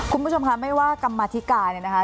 คุณผู้ชมค่ะไม่ว่ากรรมธิการเนี่ยนะคะ